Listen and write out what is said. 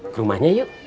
ke rumahnya yuk